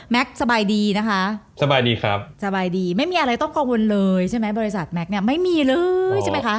สบายดีนะคะสบายดีครับสบายดีไม่มีอะไรต้องกังวลเลยใช่ไหมบริษัทแม็กซเนี่ยไม่มีเลยใช่ไหมคะ